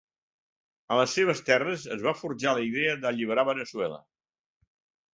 A les seves terres es va forjar la idea d'alliberar Veneçuela.